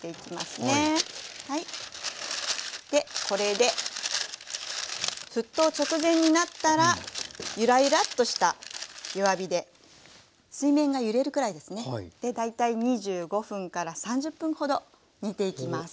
これで沸騰直前になったらユラユラッとした弱火で水面が揺れるくらいですねで大体２５分から３０分ほど煮ていきます。